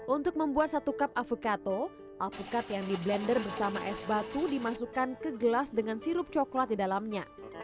untuk membuat satu cup avocato alpukat yang di blender bersama es batu dimasukkan ke gelas dengan sirup coklat di dalamnya